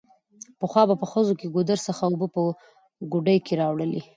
پخوا به ښځو له ګودر څخه اوبه په ګوډي کې راوړلې